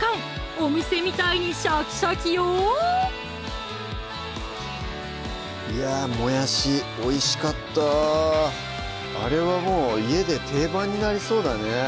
お店みたいにシャキシャキよいやもやしおいしかったあれはもう家で定番になりそうだね